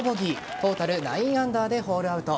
トータル９アンダーでホールアウト。